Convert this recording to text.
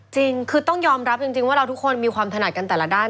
จริงคือต้องยอมรับจริงว่าเราทุกคนมีความถนัดกันแต่ละด้าน